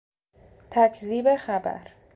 تکذیب خبر